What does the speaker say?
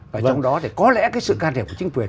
và trong đó thì có lẽ cái sự can thiệp của chính quyền